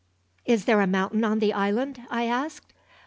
"Is there a mountain on the island?" I asked.